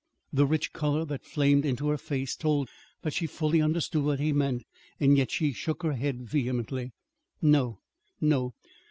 The rich color that flamed into her face told that she fully understood what he meant, yet she shook her head vehemently. "No, no!